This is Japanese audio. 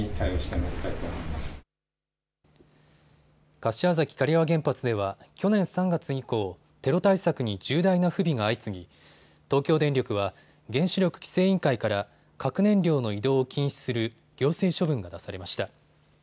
柏崎刈羽原発では去年３月以降、テロ対策に重大な不備が相次ぎ東京電力は原子力規制委員会から核燃料の移動を禁止する行政処分が出されました。